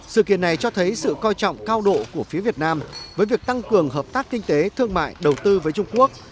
sự kiện này cho thấy sự coi trọng cao độ của phía việt nam với việc tăng cường hợp tác kinh tế thương mại đầu tư với trung quốc